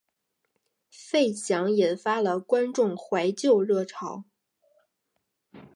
费翔引发了观众怀旧热潮。